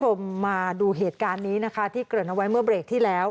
คุณผู้ชมมาดูเหตุการณ์นี้นะคะที่เกริ่นเอาไว้เมื่อเบรกที่แล้ว